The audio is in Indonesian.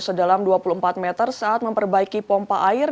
sedalam dua puluh empat meter saat memperbaiki pompa air